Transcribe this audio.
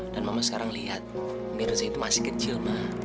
dan mama sekarang lihat mirsa itu masih kecil mak